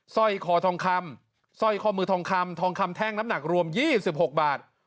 สร้อยคอทองคำสร้อยคอมือทองคำทองคำแท่งน้ำหนักรวม๒๖บาท